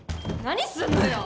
何するのよ！